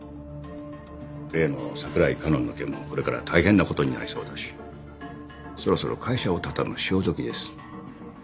例の櫻井佳音の件もこれから大変なことになりそうだしそろそろ会社を畳む潮時です。